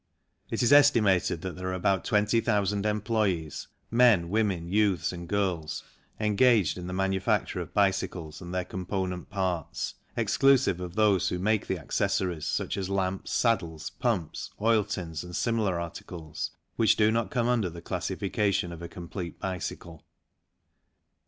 It is estimated that there are about 20,000 employees, 74 THE CYCLE INDUSTRY men, women, youths and girls, engaged in the manufacture of bicycles and their component parts, exclusive of those who make the accessories such as lamps, saddles, pumps, oil tins, and similar articles which do not come under the classification of a complete bicycle.